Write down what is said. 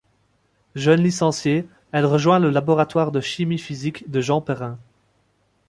Jeune licenciée, elle rejoint le laboratoire de chimie-physique de Jean Perrin.